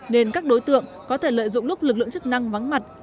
nên các đối tượng có thể lợi dụng lúc lực lượng chức năng vắng mặt